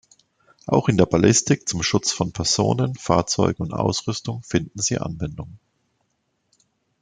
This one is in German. Auch in der Ballistik zum Schutz von Personen, Fahrzeugen und Ausrüstung finden sie Anwendung.